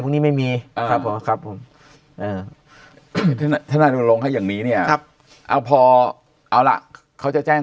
พวกนี้ไม่มีครับผมครับผมอย่างนี้เนี่ยพอเอาล่ะเขาจะแจ้ง